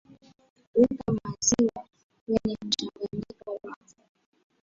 weka maziwa kwenye mchanganyiko wako